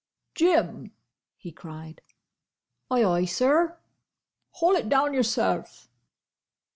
"Jim!" he cried. "Ay, ay, sir!" "Haul it down yourself."